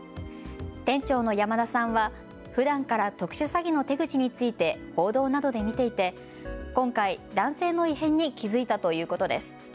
店長の山田さんは、ふだんから特殊詐欺の手口について報道などで見ていて今回、男性の異変に気付いたということです。